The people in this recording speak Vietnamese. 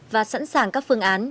và sẵn sàng các phương án